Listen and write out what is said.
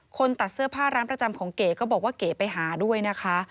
คนตัดเสื้อผ้าร้านประจำของเก๋ก็บอกว่าเก๋ไปหาด้วยนะคะ